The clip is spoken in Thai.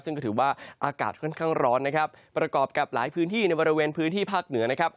ซึ่งก็ถือว่าอากาศค่อนข้างร้อนนะครับประกอบกับหลายพื้นที่ในบริเวณพื้นที่ภาคเหนือนะครับ